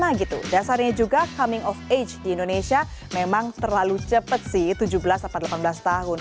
nah gitu dasarnya juga coming of age di indonesia memang terlalu cepat sih tujuh belas delapan belas tahun